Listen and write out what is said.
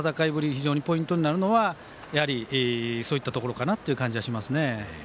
非常にポイントになるのはやはり、そういったところかなという感じはしますね。